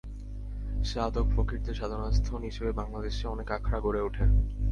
সাধক-ফকিরদের সাধনাস্থান হিসেবে বাংলাদেশে অনেক আখড়া গড়ে ওঠে।